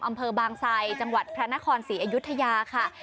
อำเภอบางไซจังหวัดพระนครศรีอยุธยาค่ะ